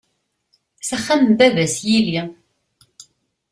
S axxam n baba-s yili.